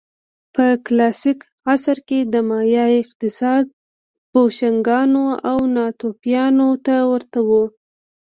په کلاسیک عصر کې د مایا اقتصاد بوشونګانو او ناتوفیانو ته ورته و